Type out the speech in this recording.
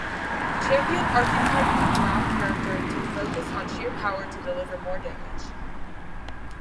Champion archetype allow character to focus on sheer power to deliver more damage.